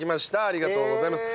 ありがとうございます。